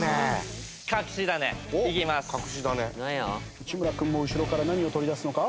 内村君も後ろから何を取り出すのか？